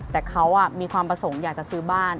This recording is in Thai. แต่เขามีความประสงค์อยากจะซื้อบ้าน